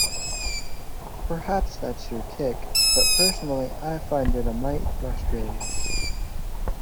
Perhaps that's your kick, but personally I find it a mite frustrating.